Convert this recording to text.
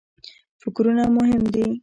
فکرونه مهم دي.